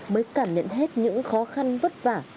mới cảm nhận hết những khó khăn vất vả